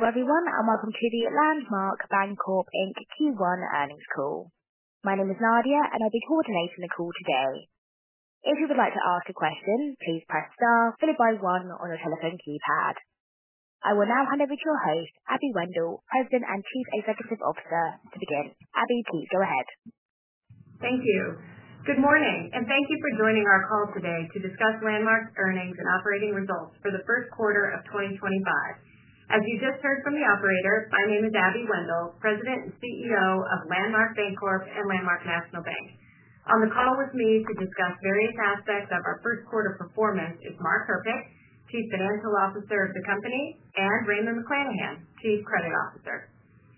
Hello everyone, and welcome to the Landmark Bancorp Q1 Earnings Call. My name is Nadia, and I'll be coordinating the call today. If you would like to ask a question, please press star followed by one on your telephone keypad. I will now hand over to your host, Abby Wendel, President and Chief Executive Officer, to begin. Abby, please go ahead. Thank you. Good morning and thank you for joining our call today to discuss Landmark's earnings and operating results for the first quarter of 2025. As you just heard from the operator, my name is Abby Wendel, President and CEO of Landmark Bancorp and Landmark National Bank. On the call with me to discuss various aspects of our first quarter performance is Mark Herpich, Chief Financial Officer of the company, and Raymond McLanahan, Chief Credit Officer.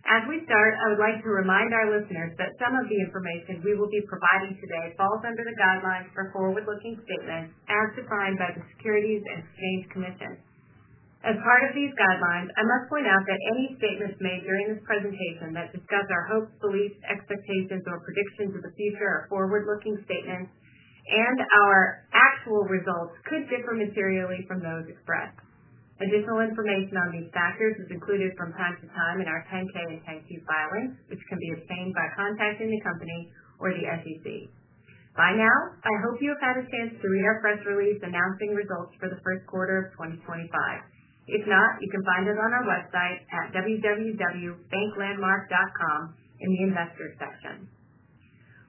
As we start, I would like to remind our listeners that some of the information we will be providing today falls under the guidelines for forward-looking statements as defined by the Securities and Exchange Commission. As part of these guidelines, I must point out that any statements made during this presentation that discuss our hopes, beliefs, expectations, or predictions of the future are forward-looking statements, and our actual results could differ materially from those expressed. Additional information on these factors is included from time to time in our 10-K and 10-Q filings, which can be obtained by contacting the company or the SEC. By now, I hope you have had a chance to read our press release announcing results for the first quarter of 2025. If not, you can find it on our website at www.banklandmark.com in the investors' section.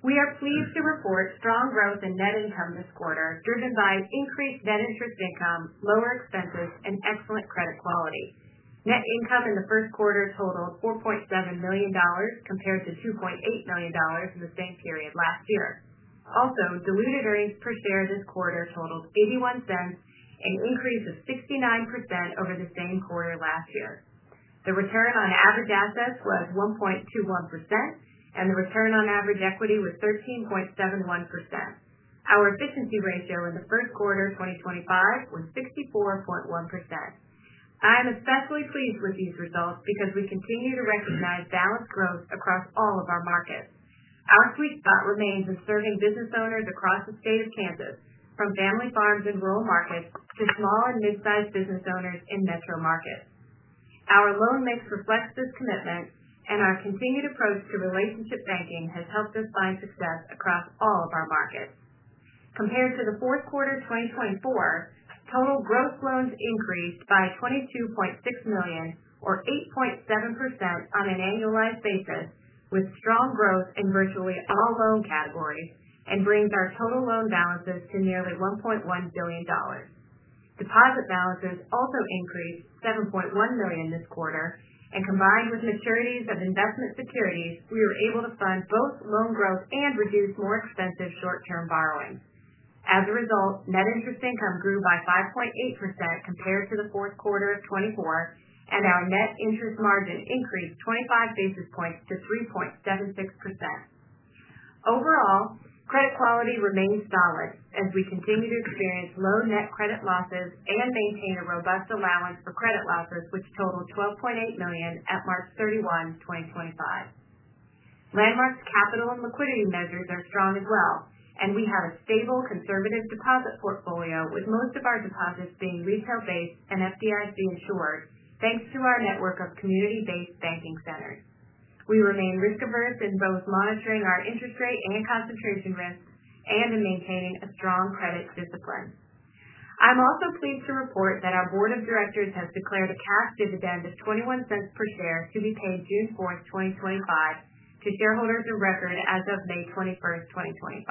We are pleased to report strong growth in net income this quarter, driven by increased net interest income, lower expenses, and excellent credit quality. Net income in the first quarter totaled $4.7 million compared to $2.8 million in the same period last year. Also, diluted earnings per share this quarter totaled $0.81, an increase of 69% over the same quarter last year. The return on average assets was 1.21%, and the return on average equity was 13.71%. Our efficiency ratio in the first quarter of 2025 was 64.1%. I am especially pleased with these results because we continue to recognize balanced growth across all of our markets. Our sweet spot remains in serving business owners across the state of Kansas, from family farms and rural markets to small and mid-sized business owners in metro markets. Our loan mix reflects this commitment, and our continued approach to relationship banking has helped us find success across all of our markets. Compared to the fourth quarter of 2024, total gross loans increased by $22.6 million, or 8.7% on an annualized basis, with strong growth in virtually all loan categories and brings our total loan balances to nearly $1.1 billion. Deposit balances also increased $7.1 million this quarter, and combined with maturities of investment securities, we were able to fund both loan growth and reduce more expensive short-term borrowing. As a result, net interest income grew by 5.8% compared to the fourth quarter of 2024, and our net interest margin increased 25 basis points to 3.76%. Overall, credit quality remains solid as we continue to experience low net credit losses and maintain a robust allowance for credit losses, which totaled $12.8 million at March 31, 2025. Landmark's capital and liquidity measures are strong as well, and we have a stable, conservative deposit portfolio, with most of our deposits being retail-based and FDIC insured, thanks to our network of community-based banking centers. We remain risk-averse in both monitoring our interest rate and concentration risks and in maintaining a strong credit discipline. I'm also pleased to report that our board of directors has declared a cash dividend of $0.21 per share to be paid June 4, 2025, to shareholders of record as of May 21, 2025.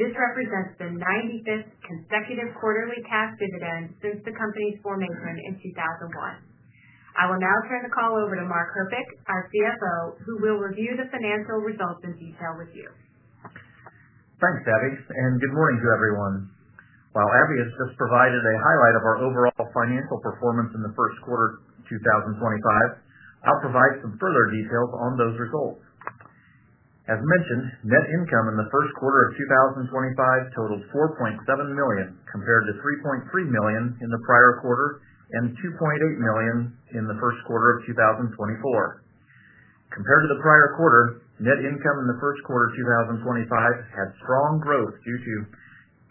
This represents the 95th consecutive quarterly cash dividend since the company's formation in 2001. I will now turn the call over to Mark Herpich, our CFO, who will review the financial results in detail with you. Thanks, Abby, and good morning to everyone. While Abby has just provided a highlight of our overall financial performance in the first quarter of 2025, I'll provide some further details on those results. As mentioned, net income in the first quarter of 2025 totaled $4.7 million compared to $3.3 million in the prior quarter and $2.8 million in the first quarter of 2024. Compared to the prior quarter, net income in the first quarter of 2025 had strong growth due to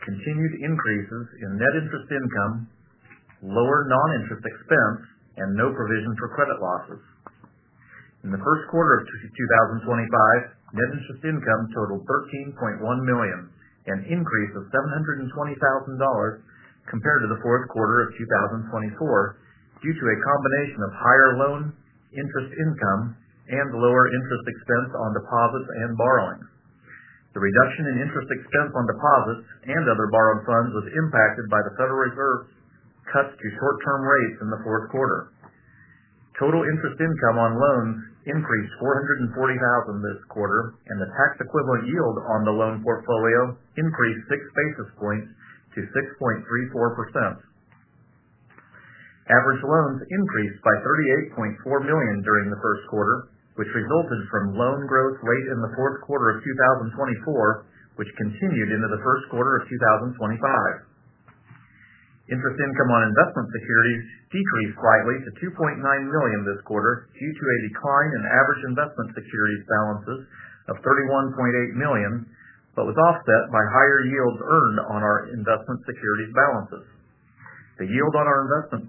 continued increases in net interest income, lower non-interest expense, and no provision for credit losses. In the first quarter of 2025, net interest income totaled $13.1 million, an increase of $720,000 compared to the fourth quarter of 2024 due to a combination of higher loan interest income and lower interest expense on deposits and borrowing. The reduction in interest expense on deposits and other borrowed funds was impacted by the Federal Reserve's cuts to short-term rates in the fourth quarter. Total interest income on loans increased $440,000 this quarter, and the tax equivalent yield on the loan portfolio increased six basis points to 6.34%. Average loans increased by $38.4 million during the first quarter, which resulted from loan growth late in the fourth quarter of 2024, which continued into the first quarter of 2025. Interest income on investment securities decreased slightly to $2.9 million this quarter due to a decline in average investment securities balances of $31.8 million, but was offset by higher yields earned on our investment securities balances. The yield on our investment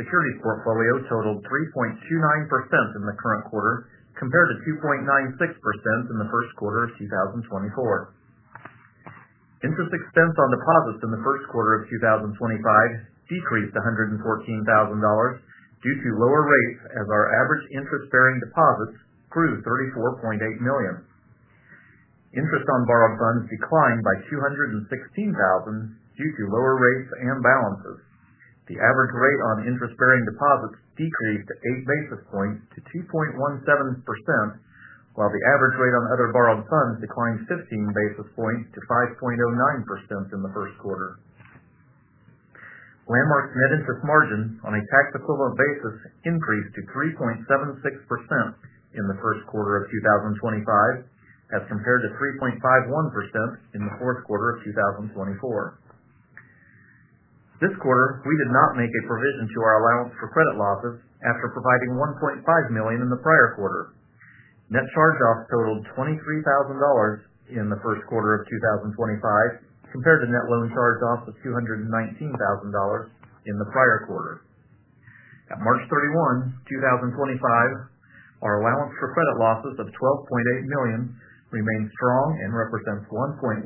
securities portfolio totaled 3.29% in the current quarter compared to 2.96% in the first quarter of 2024. Interest expense on deposits in the first quarter of 2025 decreased to $114,000 due to lower rates as our average interest-bearing deposits grew $34.8 million. Interest on borrowed funds declined by $216,000 due to lower rates and balances. The average rate on interest-bearing deposits decreased 8 basis points to 2.17%, while the average rate on other borrowed funds declined 15 basis points to 5.09% in the first quarter. Landmark's net interest margin on a tax equivalent basis increased to 3.76% in the first quarter of 2025 as compared to 3.51% in the fourth quarter of 2024. This quarter, we did not make a provision to our allowance for credit losses after providing $1.5 million in the prior quarter. Net charge-off totaled $23,000 in the first quarter of 2025 compared to net loan charge-off of $219,000 in the prior quarter. At March 31, 2025, our allowance for credit losses of $12.8 million remained strong and represents 1.19%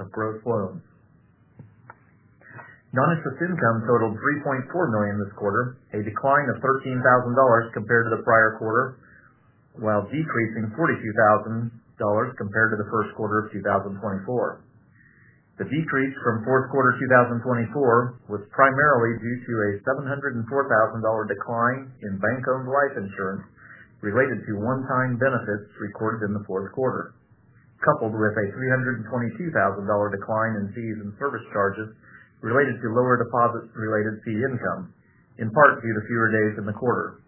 of gross loans. Non-interest income totaled $3.4 million this quarter, a decline of $13,000 compared to the prior quarter, while decreasing $42,000 compared to the first quarter of 2024. The decrease from fourth quarter 2024 was primarily due to a $704,000 decline in bank-owned life insurance related to one-time benefits recorded in the fourth quarter, coupled with a $322,000 decline in fees and service charges related to lower deposit-related fee income, in part due to fewer days in the quarter.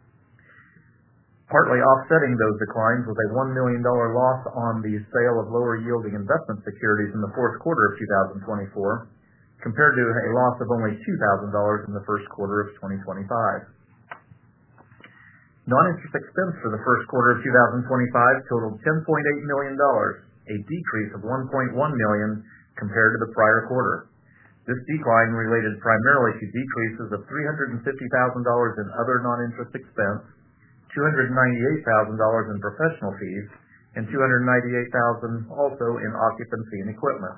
Partly offsetting those declines was a $1 million loss on the sale of lower-yielding investment securities in the fourth quarter of 2024 compared to a loss of only $2,000 in the first quarter of 2025. Non-interest expense for the first quarter of 2025 totaled $10.8 million, a decrease of $1.1 million compared to the prior quarter. This decline related primarily to decreases of $350,000 in other non-interest expense, $298,000 in professional fees, and $298,000 also in occupancy and equipment.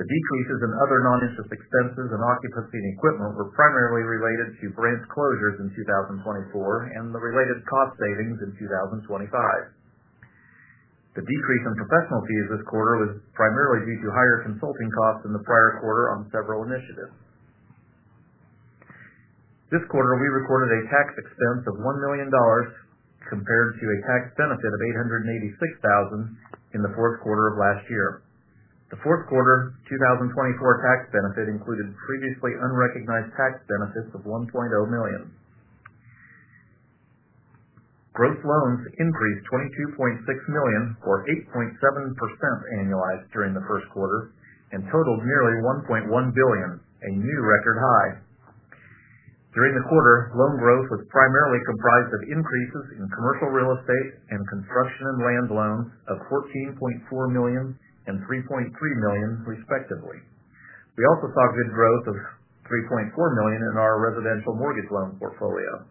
The decreases in other non-interest expenses and occupancy and equipment were primarily related to branch closures in 2024 and the related cost savings in 2025. The decrease in professional fees this quarter was primarily due to higher consulting costs in the prior quarter on several initiatives. This quarter, we recorded a tax expense of $1 million compared to a tax benefit of $886,000 in the fourth quarter of last year. The fourth quarter 2024 tax benefit included previously unrecognized tax benefits of $1.0 million. Gross loans increased $22.6 million, or 8.7% annualized during the first quarter, and totaled nearly $1.1 billion, a new record high. During the quarter, loan growth was primarily comprised of increases in commercial real estate and construction and land loans of $14.4 million and $3.3 million, respectively. We also saw good growth of $3.4 million in our residential mortgage loan portfolio.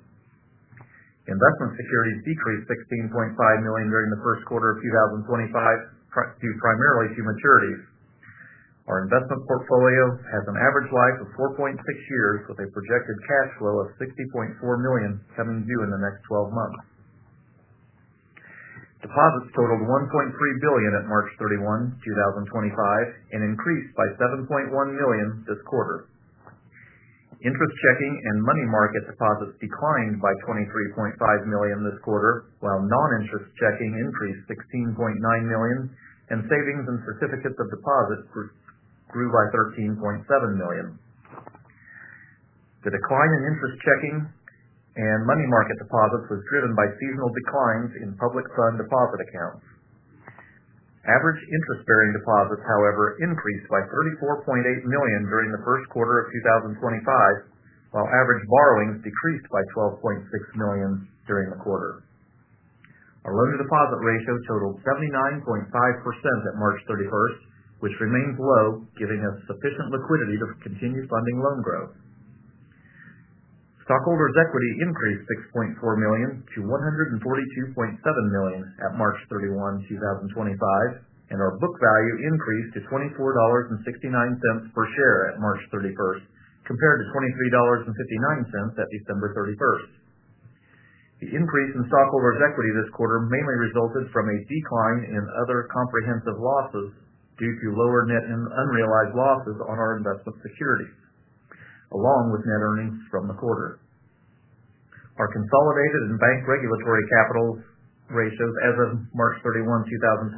Investment securities decreased $16.5 million during the first quarter of 2025 due primarily to maturities. Our investment portfolio has an average life of 4.6 years, with a projected cash flow of $60.4 million coming due in the next 12 months. Deposits totaled $1.3 billion at March 31, 2025, and increased by $7.1 million this quarter. Interest checking and money market deposits declined by $23.5 million this quarter, while non-interest checking increased $16.9 million, and savings and certificates of deposit grew by $13.7 million. The decline in interest checking and money market deposits was driven by seasonal declines in public fund deposit accounts. Average interest-bearing deposits, however, increased by $34.8 million during the first quarter of 2025, while average borrowings decreased by $12.6 million during the quarter. Our loan-to-deposit ratio totaled 79.5% at March 31st, which remains low, giving us sufficient liquidity to continue funding loan growth. Stockholders' equity increased $6.4 million to $142.7 million at March 31, 2025, and our book value increased to $24.69 per share at March 31, compared to $23.59 at December 31. The increase in stockholders' equity this quarter mainly resulted from a decline in other comprehensive losses due to lower net and unrealized losses on our investment securities, along with net earnings from the quarter. Our consolidated and bank regulatory capital ratios as of March 31, 2025,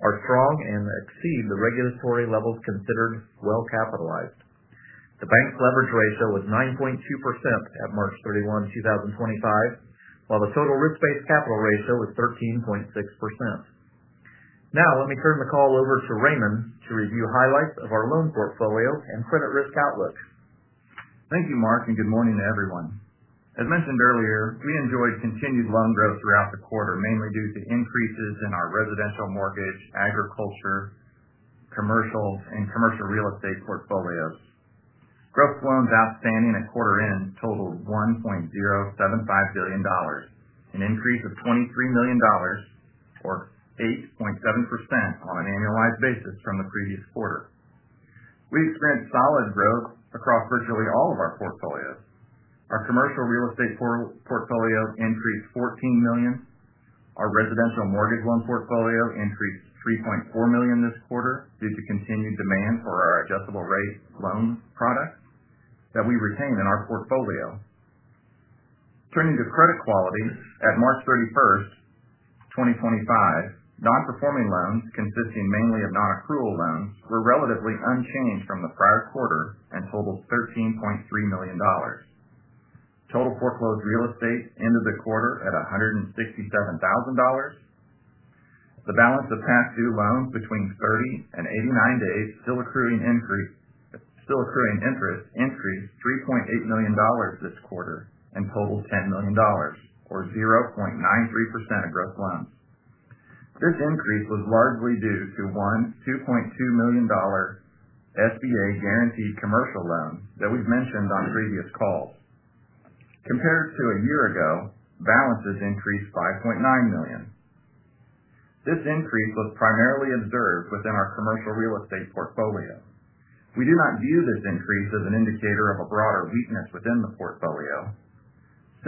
are strong and exceed the regulatory levels considered well-capitalized. The bank's leverage ratio was 9.2% at March 31, 2025, while the total risk-based capital ratio was 13.6%. Now, let me turn the call over to Raymond to review highlights of our loan portfolio and credit risk outlook. Thank you, Mark, and good morning to everyone. As mentioned earlier, we enjoyed continued loan growth throughout the quarter, mainly due to increases in our residential mortgage, agriculture, commercial, and commercial real estate portfolios. Gross loans outstanding at quarter-end totaled $1.075 billion, an increase of $23 million, or 8.7% on an annualized basis from the previous quarter. We experienced solid growth across virtually all of our portfolios. Our commercial real estate portfolio increased $14 million. Our residential mortgage loan portfolio increased $3.4 million this quarter due to continued demand for our adjustable-rate loan products that we retain in our portfolio. Turning to credit quality, at March 31, 2025, non-performing loans, consisting mainly of non-accrual loans, were relatively unchanged from the prior quarter and totaled $13.3 million. Total foreclosed real estate ended the quarter at $167,000. The balance of past due loans between 30 and 89 days still accruing interest increased $3.8 million this quarter and totaled $10 million, or 0.93% of gross loans. This increase was largely due to one $2.2 million SBA-guaranteed commercial loan that we've mentioned on previous calls. Compared to a year ago, balances increased $5.9 million. This increase was primarily observed within our commercial real estate portfolio. We do not view this increase as an indicator of a broader weakness within the portfolio.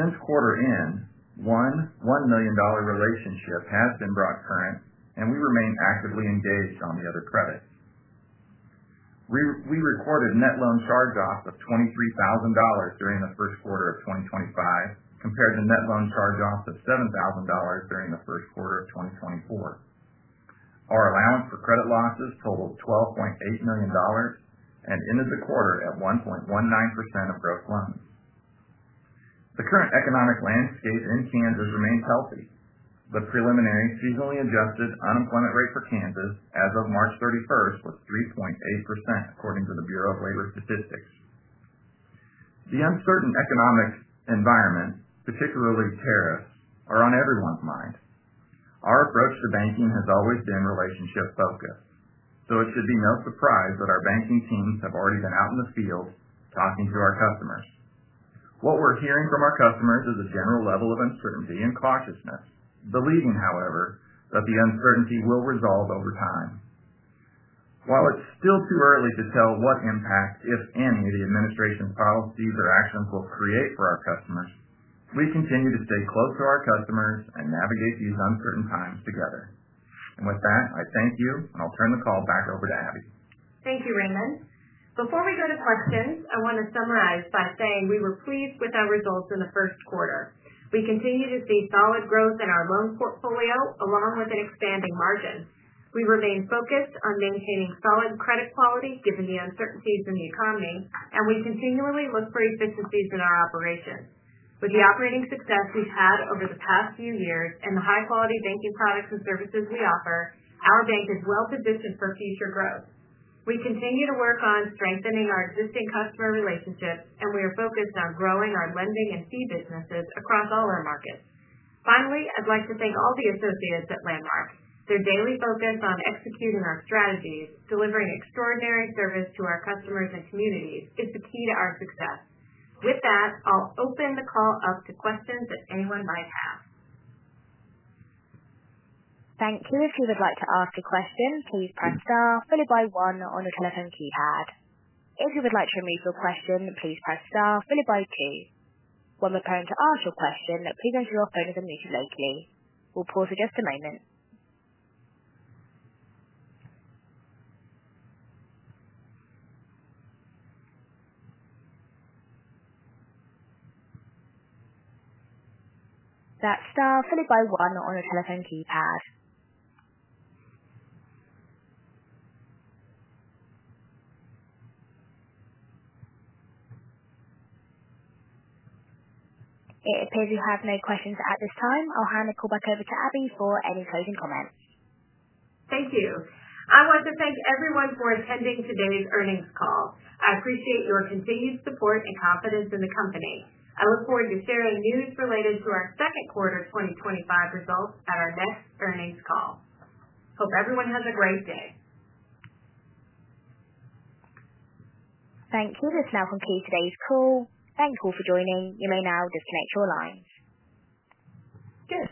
Since quarter-end, one $1 million relationship has been brought current, and we remain actively engaged on the other credits. We recorded net loan charge-off of $23,000 during the first quarter of 2025 compared to net loan charge-off of $7,000 during the first quarter of 2024. Our allowance for credit losses totaled $12.8 million and ended the quarter at 1.19% of gross loans. The current economic landscape in Kansas remains healthy. The preliminary seasonally adjusted unemployment rate for Kansas as of March 31st was 3.8%, according to the Bureau of Labor Statistics. The uncertain economic environment, particularly tariffs, are on everyone's mind. Our approach to banking has always been relationship-focused, so it should be no surprise that our banking teams have already been out in the field talking to our customers. What we're hearing from our customers is a general level of uncertainty and cautiousness, believing, however, that the uncertainty will resolve over time. While it's still too early to tell what impact, if any, the administration's policies or actions will create for our customers, we continue to stay close to our customers and navigate these uncertain times together. I thank you, and I'll turn the call back over to Abby. Thank you, Raymond. Before we go to questions, I want to summarize by saying we were pleased with our results in the first quarter. We continue to see solid growth in our loan portfolio, along with an expanding margin. We remain focused on maintaining solid credit quality given the uncertainties in the economy, and we continually look for efficiencies in our operations. With the operating success we've had over the past few years and the high-quality banking products and services we offer, our bank is well-positioned for future growth. We continue to work on strengthening our existing customer relationships, and we are focused on growing our lending and fee businesses across all our markets. Finally, I'd like to thank all the associates at Landmark. Their daily focus on executing our strategies, delivering extraordinary service to our customers and communities, is the key to our success. With that, I'll open the call up to questions that anyone might have. Thank you. If you would like to ask a question, please press star followed by one on the telephone keypad. If you would like to remove your question, please press star followed by two. When we're preparing to ask your question, please ensure your phone is unmuted locally. We'll pause for just a moment. That's star followed by one on the telephone keypad. It appears you have no questions at this time. I'll hand the call back over to Abby Wendel for any closing comments. Thank you. I want to thank everyone for attending today's earnings call. I appreciate your continued support and confidence in the company. I look forward to sharing news related to our second quarter 2025 results at our next earnings call. Hope everyone has a great day. Thank you. This now concludes today's call. Thank you all for joining. You may now disconnect your lines. Good.